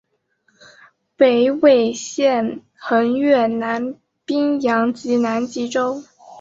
此纬线横越南冰洋及南极洲。